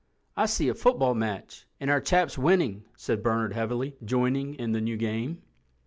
"I see a football match, and our chaps winning," said Bernard heavily, joining in the new game.